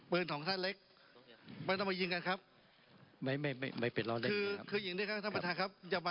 ปืนของท่านเล็กไม่ต้องมายิงกันครับ